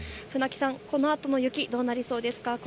船木さん、このあとの雪どうなりそうですか。